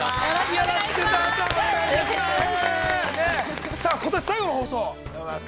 ◆よろしくどうぞお願いいたします。